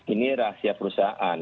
ini rahasia perusahaan